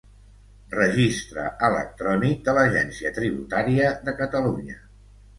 Registre electrònic de l'Agència Tributària de Catalunya.